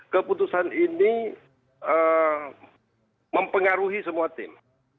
keputusan ini mempengaruhi semua tim